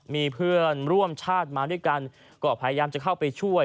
มีเพื่อนร่วมชาติมาด้วยกันก็พยายามจะเข้าไปช่วย